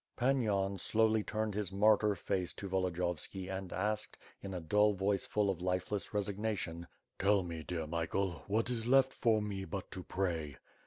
Pan Yan slowly turned his martyr face to Volodiyovski and asked, in a dull voice full of lifeless resignation: "Tell me, dear Michael, what is left for me but to pray?"